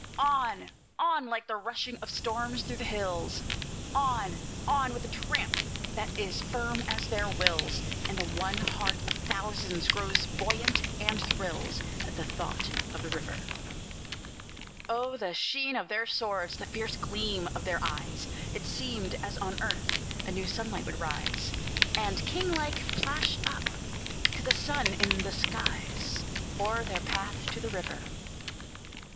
On! on! like the rushing of storms through the hills; On! on! with a tramp that is firm as their wills; And the one heart of thousands grows buoyant, and thrills, At the thought of the river. Oh, the sheen of their swords! the fierce gleam of their eyes! It seemed as on earth a new sunlight would rise, And, king like, flash up to the sun in the skies, O'er their path to the river.